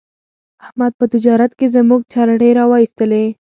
احمد په تجارت کې زموږ جرړې را و ایستلې.